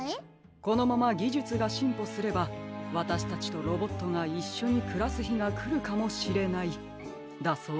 「このままぎじゅつがしんぽすればわたしたちとロボットがいっしょにくらすひがくるかもしれない」だそうです。